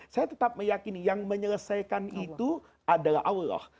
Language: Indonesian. saya tetap meyakini yang menyelesaikan itu adalah allah